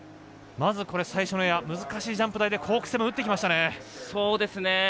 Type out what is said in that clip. まず、最初のエア難しいジャンプ台でコーク７２０打ってきましたね。